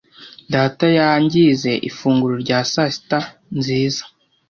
Data yangize ifunguro rya sasita nziza.